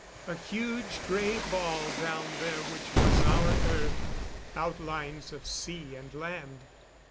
A huge grey ball down there which was our Earth. Outlines of sea and land.